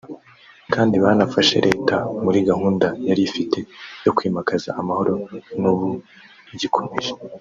Kandi banafashe Leta muri gahunda yari ifite yo kwimakaza amahoro n’ubu igikomeje